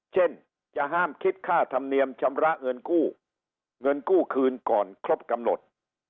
เช่นจะห้ามคิดค่าธรรมเนียมชำระเงินกู้เงินกู้คืนก่อนครบกำหนด